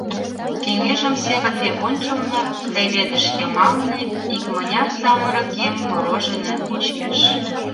Кеҥежымсе кафе ончылно, леведыш йымалне, икмыняр самырык еҥ мороженыйым кочкеш.